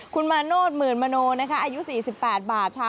คุณมาโนธหมื่นมโนนะคะอายุ๔๘บาท